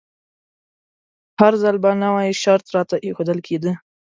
هر ځل به نوی شرط راته ایښودل کیده.